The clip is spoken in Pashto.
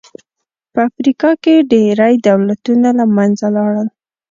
په افریقا کې ډېری دولتونه له منځه لاړل.